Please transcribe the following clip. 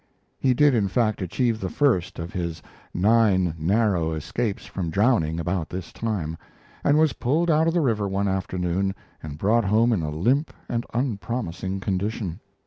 He did, in fact, achieve the first of his "nine narrow escapes from drowning" about this time, and was pulled out of the river one afternoon and brought home in a limp and unpromising condition.